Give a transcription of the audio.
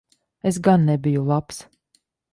Es gan nebiju labs.